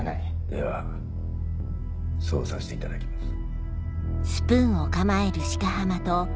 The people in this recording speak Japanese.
ではそうさせていただきます。